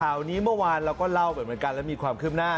ข่าวนี้เมื่อวานเราก็เล่าไปเหมือนกันแล้วมีความคืบหน้า